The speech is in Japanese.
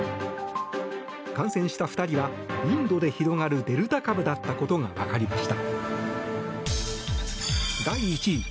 感染した２人はインドで広がるデルタ株だったことがわかりました。